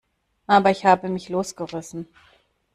Aber ich habe mich losgerissen.